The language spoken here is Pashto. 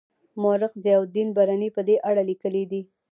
مورخ ضیاالدین برني په دې اړه لیکلي دي.